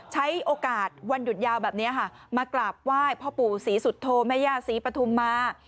ใช้โอกาสวันหยุดยาวแบบนี้ค่ะมากราบไหว้พ่อปู่ศรีสุโธแม่ย่าศรีปฐุมมา